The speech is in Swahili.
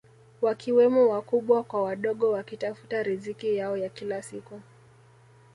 Wakiwemo wakubwa kwa wadogo wakitafuta riziki yao ya kila siku